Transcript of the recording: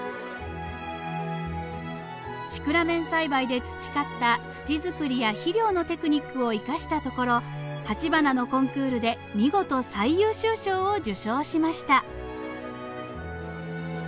シクラメン栽培で培った土づくりや肥料のテクニックを生かしたところ鉢花のコンクールで見事最優秀賞を受賞しました。